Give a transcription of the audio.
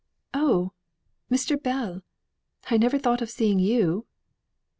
"Oh, Mr. Bell! I never thought of seeing you!"